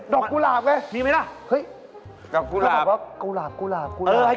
ดอกกุหลาบไงมีไหมล่ะเฮ้ยดอกกุหลาบ